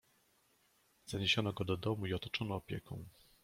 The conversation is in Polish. "Zaniesiono go do domu i otoczono opieką."